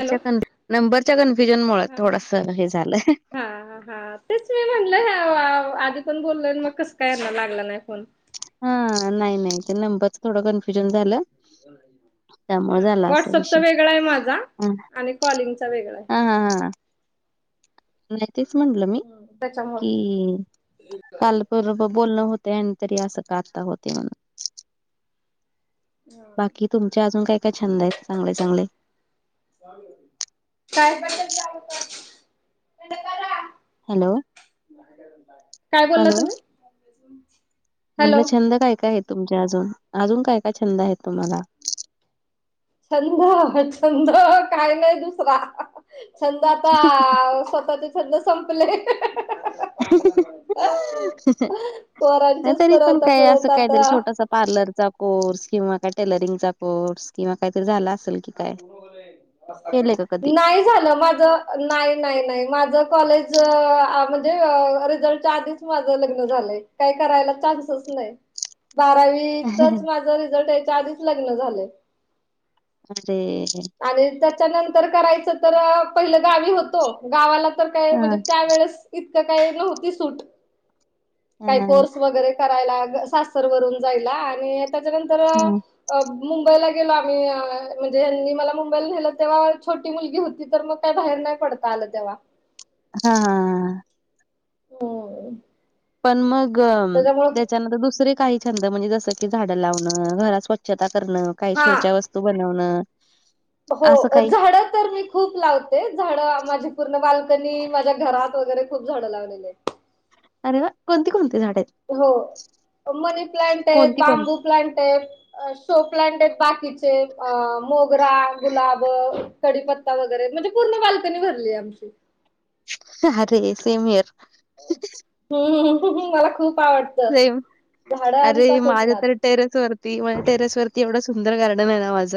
Hello कन नंबरच्या confusion ममूळं हा हा थोडसा हे झालंय. हा हा तेच मी म्हणलं हाय वाव आदी पण बोललं आणि मग कसं काय ह्यांना लागलं नाय फोन. हा नाही-नाही ते नंबरच थोडं कन्फ्युजन झालय त्यामुळे हा झालं असं व्हॉट्सअपचा विषय वेगळा आहे माझा आ आणि कॉलिंगचा वेगळा आहे. हा हा हा. नाही तीच म्हटलं मी हम्म त्याच्यामुळे कि काल कर्ब बोलणं होतय आणि तरी असं का आता होते म्हणून. बाकी तुमचे अजून काय-काय छंद आहेत चांगले-चांगले? [unintelligible] हॅलो काय बोलला हॅलो तुम्ही? म्हटलं हॅलो छंद काय-काय आहेत तुमचे अजून अजून काय काय छंद आहेत तुम्हाला? छंद हा छंद काही नाही दुसरा. छंद आता स्वतःचे छंद संपले. [unintelligible] नाही पोरांचेच तरी पण पुरवता काय असं पुरवता काहीतरी आता छोटासा पार्लरचा कोर्स किंवा काय टेलरिंगचा कोर्स किंवा काहीतरी झाला असेल. की काय केले का कधी नाही झाला माझ नाही नाही माझा कॉलेज आ म्हणजे रिझल्टच्या आदी च माझं लग्न झालंय काय करायला चान्सच नाय. [unintelligible] बारावीतच माझं रिझल्ट याच्या आधीच लग्न झालय. अरे आणि त्याच्यानंतर करायचं तर पहिलं गावी होतो गावाला तर काय हा म्हणजे त्यावेेळेस इतकं काय नव्हती सूट. हा काही हा कोर्स वैगैरे करायला. सासर वरून जायला आणि त्याच्या नंतर... अ... मुंबईला गेलो आम्हीअ.... म्हण जे.... मला मुंबईला न्हेल तेव्हा छोटी मुलगी होती तर मग काय बाहेर नाही पडता आलं तेव्हा... हा.... होय... पण मग... त्याच्या... त्यानंतर दुसरे काही छंद म्हणजे जस की झाडं लावणं घरात स्वचछता करणं काही हा शो च्या वस्.. तू.. बनवन... हो. झाडं तर मी खूप लावते. तेच झाड माझी पूर्ण बालकनी माझ्या घरात वैगैरे खूप झाडं लावलेले आहेत. अरे वा... कोणती- कोणती झाड आहेत. हो... मनी प्लन्ट आहेत. कोणती बांबू कोणती प्लन्ट आहेत. शो प्लान्ट आहेत बाकीचे अ.. मोगरा, गुलाब... कडीपत्ता वैगैरे म्हणजे पूर्ण बालकनी भरली आ हे. आमची... जा.. रे.. सेम इयर... हम्म... हम्म.. मला खूप आवडत. सेम. अरे माझ्या नाद तर.. टेरेस वरती.. म्ह... टेरेस वरती एवढं सुंदर गार्डन आहे ना माझ.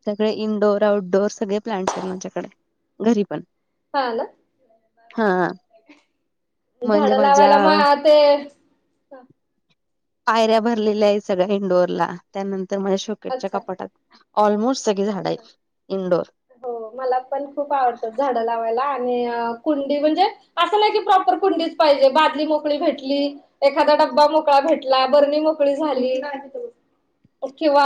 सगळे इनडोअर आउटडोर सगळे प्लांट्स आहेत. माझ्याकडे घरी पण. हा.. ना.. हा... हा.. झाडं लावायला माळात... पायऱ्या भरलेल्या आहेत सगळ्या इनडोअरला. त्यानंतर म शो... कच्या अच्छा कपाटात ऑलमोस्ट सगळी झाडं आहेत. इनडोअर... हो.. मला पण खूप आवडतं झाडं लावायला. आणि अ... कुंडी म्हण जे.. असं नाही की प्रॉपर कुंडीच पाहिजे बादली मोकळी भेटली.. एखादा डबा मोकळा भेट ला. बरणी मोकळी झाली.. किंवा..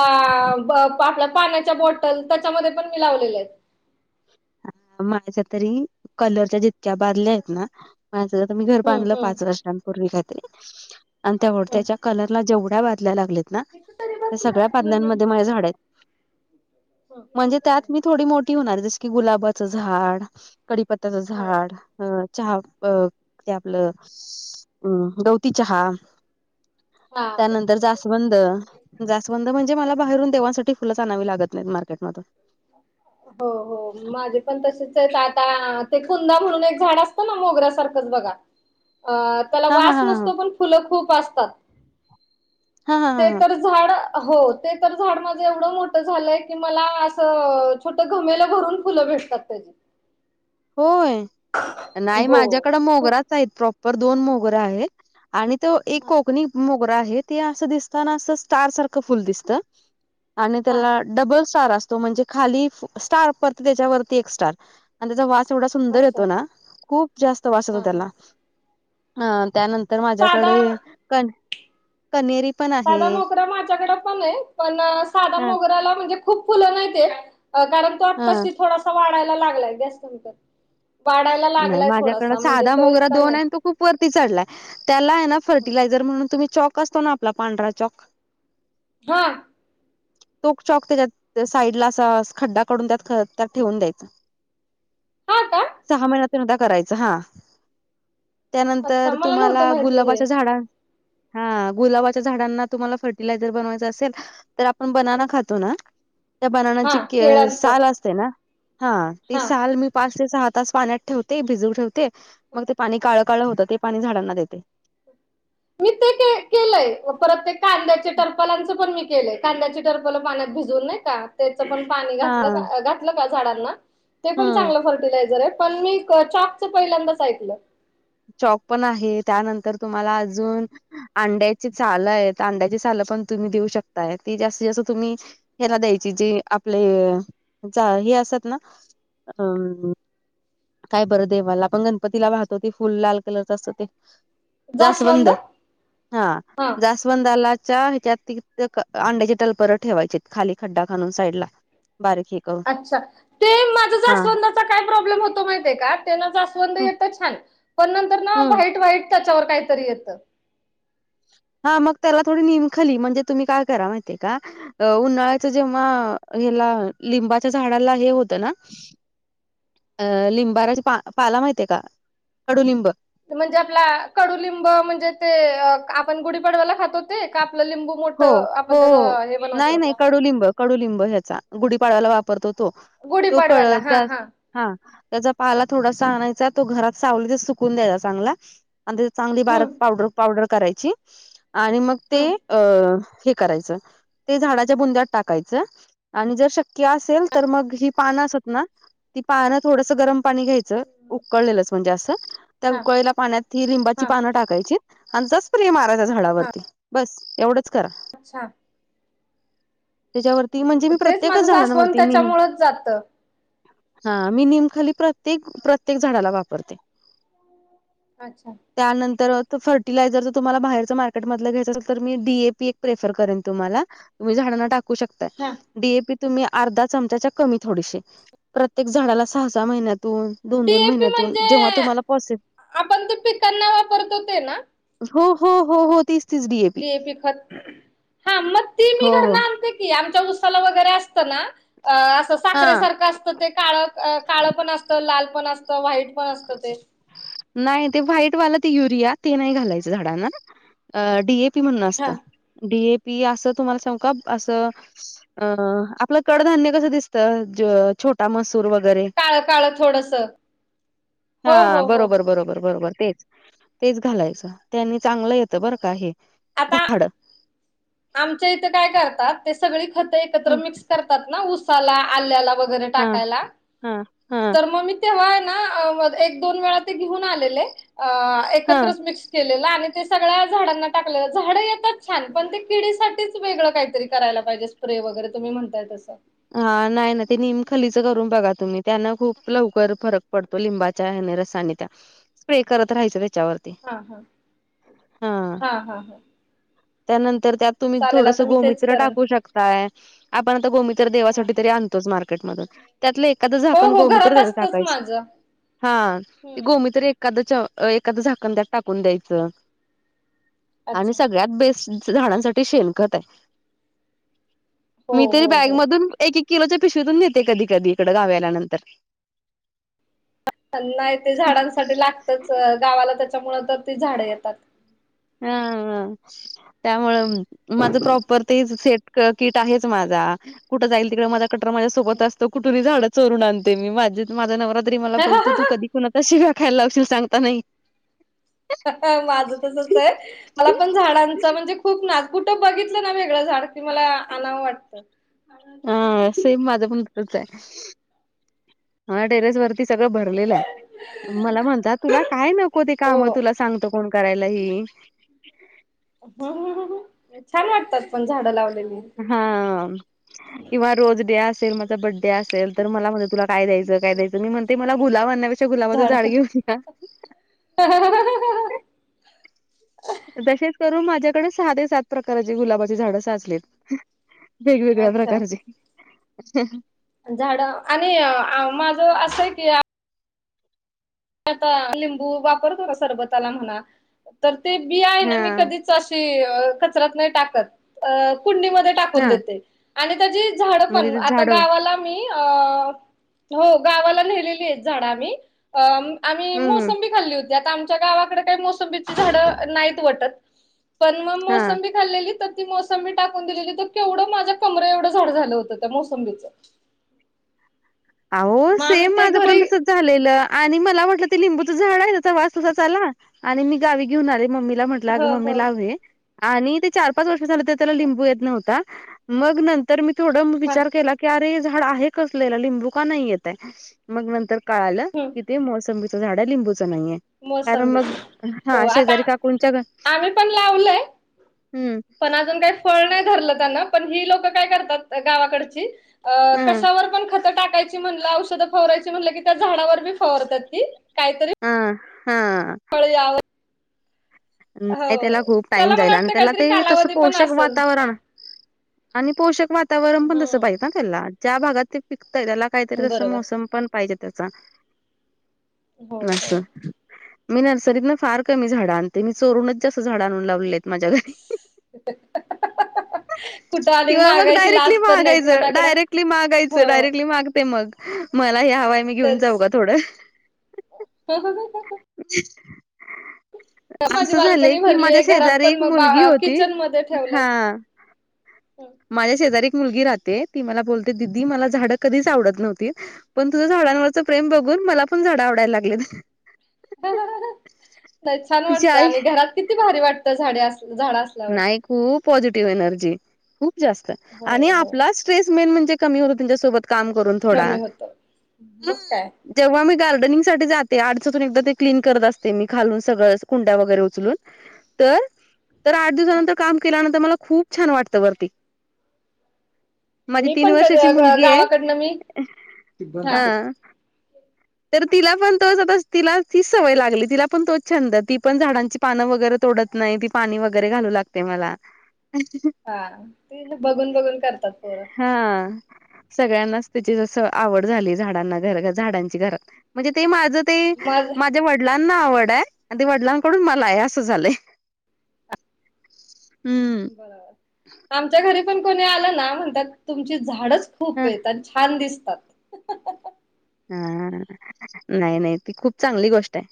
आपल्या पाण्याच्या बॉटल त्याच्यामध्ये पण मी लावलेले आहेत. माझ्याच्या तरी कलरच्या जितक्या बादल्या आहेत ना.. माझ आता मी घर हम्म बांधलं हम्म पाच वर्षांपूर्वी काय तरी.. आणि तेव्हाड हम्म त्याच्या... कलरला जेवढ्या बादल्या लागल्यात ना. त्या सगळ्या बादल्यानमध्ये माझ्या झाड आहेत. हम्म. म्हणजे त्यात मी थोडी मोठी होणार. जस की गुलाबा.... च झाड, कडीपत्याच हो झाड, अ.. चहा अ.. ते.. आपल... अ... गवती चहा. हा. त्यानंतर जास.. वंद.. जास्वंद म्हणजे मला बाहेरून देवांसाठी फुलं आणावी लागत नाहीत मार्केट मधुन. [inaudible] हो -हो माझे पण तसेच आहेत आता.. ते कुंदा म्हणून एक झाड असतं ना मोगऱ्यासारखंच बघा... अ..... त्याला हा हा वास हा हा नसतो पण फुलं खूप असतात. हा हा हा ते हा तर.. झाड हो. ते तर झाड माझ एवढ मोठ झालंय की मलाआस.. अ.. छोट गमेल भरून फुलं भेटतात त्याची.. होय. नाही हो माझ्याकड खूप मोगराच आहेत प्रॉपर दोन मोगरा आहेत. आणि तो एक हा कोकणी.. मोगरा आहे. ते असं दिसत ना असं स्टार सारखं फुल दिसत आणि हा त्याला.. डबल स्टार असतो म्हणजे खाली स्टार पर त्याच्यावरती एक स्टार आणि त्याचा वास... तेवढा सुंदर अच्छा येतो ना, खूप जास्त वास हा त्याला, हा हा त्यानंतर तर साधा माझ्याकडे, कन कनेरी पण आहे साधा मोगरा माझ्याकडे पण आहे. पणं साधा ह मोगऱ्याला म्हणजे खूप फुलं नाहीत येतं. कारण तो ह आताशी थोडासा वाढायला लागलाय. गॅस कमी कर. वाढायला नाही लागलाय माझ्याकडं थोडासा म्हणजे साधा तो मोगरा इतका दोन नाही. आहे आणि तो खूप वरती चढलाय, त्याला आहे ना, हं. फर्टिलायझर म्हणून तुम्ही चॉक असतो ना, आपला पांढरा चॉक [inaudible] हा! तोच चॉक त्याच्यात साईडला असं, खड्डा कडून त्यात त्यात ठेवून द्यायच. हा का! सहा महिन्यात एकदा करायचं हा, अच्छा त्यानंतर मला नव्हतं तुम्हाला माहिती हे गुलाबाच्या झाडा हा! गुलाबाच्या झाडांना तुम्हाला फर्टिलायझर बनवायचं असेल तर आपण बनाणा हं. खातो ना, त्या हा बनाण्याची के केळांचं साल असते ना हा! ती हा साल मी पाच ते सहा तास पाण्यात ठेवते. भिजू ठेवते. मग ते हा पाणी काळ, काळ होतं. ते पाणी झाडांना देते. मी ते के केलंय, परत ते कांद्याच्या टरपालांचं पण मी केलयं, कांद्याची टरपल पाण्यात भिजून नाही का, त्याच पण पाणी हा घातलं घातलं का झाडांना ते पण हम्म. चांगलं फर्टिलायझर आहे. पण मी चॉकच पहिल्यांदाच ऐकलं. चॉक पण आहे. त्यानंतर तुम्हाला अजून अंड्याची सालं आहेत. अंड्याची सालं पण तुम्ही देऊ शकताय ती जास्त जास्त तुम्ही ह्याला द्यायची जी, आपले जा हे असत ना अ! काय बरं देवाला! आपण गणपतीला वाहतो ते फुलं लाल कलरच असतं ते जास्वंद हा, जास वंदालाच्या ह्याच्यात ती, अंड्याचे टलपरं ठेवायचे खाली खड्डा खणून साईड ला बारकी! अच्छा! ते माझं जास्वंदाचा काय प्रॉब्लेम होतो माहिते का? तेना जास्वंद येत छान! पण नंतर ना हम्म व्हाइट, व्हाईट त्याच्यावर काहीतरी येतं. हा मग त्याला थोडी, निमखली म्हणजे तुम्ही काय करा माहिते हे का अ उन्हाळ्याच जेव्हा हेला लिंबाच्या झाडाला हे होतं ना अ लिंबाराची पा पाला माहितीय का? कडूलिंब म्हणजे आपला, कडुलिंब म्हणजे ते, आपण गुढीपाडव्याला खातो ते का आपलं लिंबू? हो मोठं हो, आपण त्याचं हे नाही, नाही बनवतो कडुलिंब, कडुलिंब हेचा गुढीपाडव्याला वापरतो तो, तो कळ गुढीपाडव्याला हा त्या हा, त्याचा पाला थोडासा आणायचा. तो घरात सावलीतच सुकून द्यायचा चांगला आणि तेची चांगली बारक हम्म पावडर, पावडर करायची, आणि मग ते हम्म अ हे करायचं, ते झाडाच्या बुंद्यात टाकायचं, आणि जर शक्य असेल तर मग, ही पानं असत ना ती पानं थोडसं गरम पाणी घ्याय चं उकळलेलचं म्हणजे असं, त्या हा उकळलेल्या पाण्यात ही लिंबाची हा पानं टाकायची, आणि तेचा स्प्रे मारा त्या हा झाडावरती बस एवढंच करा. अच्छा! त्याच्यावरती म्हणजे, हम्म, मी तेच प्रत्येकच माझं जास्वंद झाडांवरती निंब त्याच्यामुळेच जात हा मी निमखली प्रत्येक, प्रत्येक झाडाला वापरते. अच्छा! त्यानंतर, तो फर्टिलायझर जर तुम्हाला बाहेरचं मार्केटमधलं घ्यायच असेल तर मी डी. ए. पी, एक रेफर करेन तुम्हाला, तुम्ही झाडांना टाकू शकता. हा डी. ए. पी. तुम्ही अर्धा चमचाच्या कमी थोडीशी प्रत्येक झाडाला सहा सहा महिन्यातून दोन डी. दोन ए. पी. महिन्यातून म्हणजे जेव्हा तुम्हाला पॉसि आपण तो पिकांना वापरतो ते ना? हो हो हो हो, तीच तीच डी. ए. पी. ते पिकत हा मग ती मी हो घरन हो आणते की आमच्या उसाला वगैरे असत ना अ आसं हा साखरे सारखं आस त ते काळ काळ पण असतं, लाल पण असतं, व्हाईट पण असतं ते. नाही. ते व्हाईटवाल ते युरिया ते नाही घालायच झाडांना डी. A P. म्हणून हा असतं डी. ए. पी. आस तुम्हाला सांगू का आस अ आपलं कडधान्य कस दिसत ज छोटा मस सूर वैगरे काळ काळ थोडस हो हा हो हो बरोबर. बरोबर बरोबर तेच तेच घालायचं त्यांनी चांगलं येत बरं का हे आता झाड. आमच्या इथ काय करतात ते सगळी खत एकत्र ह मिक्स करतात ना ऊसाला, आल्याला, वै गरे हा टाकायला हा हा तर मग मी तेव्हा हे ना एक, दोन वेळा ते घेऊन आलेले अ हा एकत्रच मिक्स केलेल आणि ते सगळ्या झाडांना टाकलं. झाडं येतात छान पण ते किडीसाठीच वेगळं काहीतरी करायला पाहिजे स्प्रे वगैरे तुम्ही म्हणताय तसं. हा. नाही ना ते निमखलीच करून बघा तुम्ही त्यांना खूप लवकर फरक पड तो लिंबाच्या हेन रसानी त्या स्प्रे करत राहयच च्यावरती हा हा हं. हा हा हा त्यानंतर त्यात तुम्ही चालेल थोडस आता मी तेच गोमित्र करेन टाकू शकताय, आपण आता गोमि हा देवासाठी हा तरी आणतोच मार्केटमधून त्यातलं एखादं हो झाकण हो घरात गोमित्र असतच टाकायचं, माझं हा ते हम्म गोमित्र एक एखादं च एखादं झाकण त्यात टाकून द्यायचं. आणि अच्छा सगळ्यात बेस्ट झाडांसाठी शेणखत आहे. हो मी तरी हो बॅग हो मधून एक एक किलोच्या पिशवीतून नेहते कधी कधी इकडं गावी आल्यानंतर. नाही. ते झाडांसाठी लागतच गावाला तेच्यामुळ तर ती झाडं येतात. हा हं, त्यामुळ माझं प्रॉपर ते सेट क किट आहेच माझा कुठं जाईल तिकड माझा कॅटर माझ्या सोबत असतो कुठबी झाडं चोरून आणते मी माझे माझ्या नवरा तरी मला बोलतो तू कधी कोणाच्या शिव्या खायला लावशील सांगता नाही माझं तसच आहे. मला पण झाडांच म्हणजे खूप ना कुठं बघितलं ना वेगळं झाड की मला आणवं वाटतं. हा. सेम माझं पण. आहे. माय टेरेस वरती सगळं भरलेलं आहे. मला म्हणतात तुला काय नको ते हो काम तुला सांगतो कोण करायला ही? हं हं हं, छान वाटतात पण झाडं लावलेली. हा किंवा रोज डे असेल माझा बड्डे असेल तर मला म्ह तुला काय द्यायचं काय द्यायचं? मी म्हणते मला गुलाब आणण्यापेक्षा गुलाबाचं झाड घेऊन हं. हं हं हं हं हं. तसेच करून माझ्याकडे सहा, सात प्रकाराची झाड साचलीत. वेगवेगळ्या अच्छा. प्रकारची. झाड आणि माझ असंय की आता लिंबू वापरतो ना सरबताला म्हणा. तर ते बी आहे ना हा मी कधीच अशी कचरात नाही टाकत. कुंडीमध्ये टाकून हा देते आणि त्याची झाड मग पण तिथे झाड गावाला मी हो. गावाला नेलेली आहेत झाड मी आम्ही हम्म मोसंबी खाल्ली होती. आता आमच्या गावाकड काय मोसंबीची झाडं, नाहीत वटत. पन म हा मोसंबी खाल्लेली. तर ती मोसंबी टाकून दिलेली. तर केवढं, माझ्या कमर एवढं झाड झालं होतं, त्या मोसंबीच. अहो, मग आम्ही सेम ते माझं पण घरी तसच झालेलं. आणि मला वाटलं ते लिंबूचं झाडय. त्याचा वास तसाच आला. आणि गावी घेऊन आले, मम्मी ला म्हटलं. हो आगं, हो मम्मे लाव हे. आणि ते चार- पाच वर्ष झालं, तरी त्याला ह लिंबू येत नव्हता. मग नंतर मी थोडं ह विचार केला की, अरे! हे झाड आहे कसलं? याला लिंबू का नाही येतय. मग नंतर काळालं. हम्म कि, ते मोसंबीचं झाडय. लिंबूच नाहीये. कारण मोसंबीच मग, हा हो आता शेजारी काकूंच्या घर. आम्ही पण लावलंय हम्म. पण अजून काय फळ नाही धरलं त्यांनं. पण ही लोक काय करतात, गावाकडची. अ हम्म कशावर पण खतं टाकायच मनलं, औषधं फवारायची मनलं की, त्या झाडावर बी फवारत्यात ती. कायतरी अं. ह. कळल्यावर? नाय, त्याला खूप टाईम त्याला मला जाईल. अन् वाटतं त्याला काहीतरी ते तसं, कालावधी पण पोषक असेल वातावरण आणि पोषक वातावरण पण तसं पाहिजेत आ हम्म त्याला. ज्या भागात ते पिकतय, त्याला काहीतरी तसं बरोबर मोसम पण पाहिजे त्याचा. हो हो असं. मी नर्सरीतनं, फार कमी झाड आणते. मी चोरूनच जास्त झाड आणून लावलेलेयत. माझ्या घरी. कुठं अधिक किंवा मग मागायची डायरेक्टली लाज पण नाही मागायचं. कोणाकड डायरेक्टली मागायचं. हो डायरेक्टली मागते मग. मला हे हवाय. मी घेऊन जाऊ का? थोडं. काय, काय, काय? [inaudible] माझी असं झालंय बाल्कनी की, माझ्या भरलीय घरात शेजारी पण एक मग मुलगी होती. किचन मध्ये हा. ठेवल्यात माझ्या शेजारी एक मुलगी राहते. ती मला बोलते. दिदी, मला झाडं कधीच आवडत नव्हती. पण तुझं झाडांवरच प्रेम बघून. मला पण झाडं आवडायला लागलेत. नाही छान तिची वाटतं आई आणि घरात किती भारी वाटतं, झाडे अस, झाडं अस नाही खूप पॉझिटिव्ह एनर्जी, खूप जास्त. हो आणि हो आपलाच ट्रेस मेन म्हणजे कमी होतो, तुमच्यासोबत काम करून थोडा. कमी होत हं. मग काय जेव्हा मी गार्डनिंग साठी जाते, आट दिवसातून एकदा ते क्लीन करत असते मी. खालून सगळंच. कुंड्या वगैरे उचलून. तर तर आठ हा दिवसानंतर काम केल्यानंतर मला, खूप छान वाटतं वरती. माझी मी तीन पण कधी वर्षाची ग मुलगीय. गावाकडनं मी अ. हा तर तिला पण तोच आता, तिला तीच सवय लागली. तिला पण तोच छंद. ती पण झाडांची पानं वगैरे तोडत नाही. ती पाणी वगैरे घालू लागते मला. हा. ते बघून- बघून करतात पोरं. हा. सगळ्यांनाच त्याची जसं, आवड झालीय. झाडांना, घर झाडांची घरात. म्हणजे ते माझं माजं म्हणजे वडलांना आवडाय. अन् ते वडिलांकडून मलाय. असं झालंय. हम्म. बर. आमच्या घरी पण कोणी आलं ना. म्हणतात, तुमची झाडच खूप ह येतात. छान दिसतात. हा. नाही- नाही. ती खूप चांगली गोष्टाय.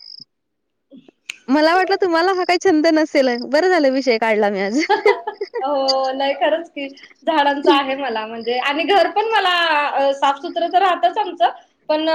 मला वाटलं, तुम्हाला हा काही छंद नसेल. बरं झालं, विषय काढला मी आज. हो नाही खरच की झाडांच आहे मला म्हणजे आणि घर पण मला साफ सुत्र तर राहतच आमच पणअ